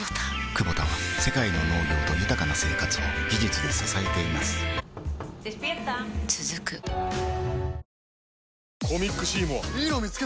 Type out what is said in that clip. クボタは世界の農業と豊かな生活を技術で支えています起きて。